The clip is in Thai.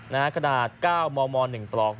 กระดาษ๙มม๑ปลอก